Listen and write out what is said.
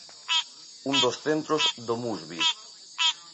Un dos centros DomusVi.